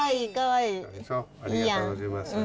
いいやありがとうございます。